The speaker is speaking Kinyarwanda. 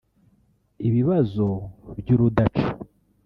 Ibibazo by’urudaca